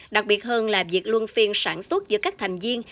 đặc biệt hơn là việc luân phiên sản xuất giữa các thành viên